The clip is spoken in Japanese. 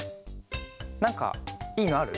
なんかいいのある？